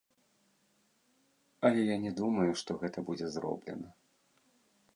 Але я не думаю, што гэта будзе зроблена.